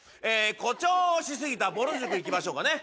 誇張し過ぎたぼる塾いきましょうかね。